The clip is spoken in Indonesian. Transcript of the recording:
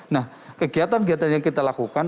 nah kegiatan kegiatan yang kita lakukan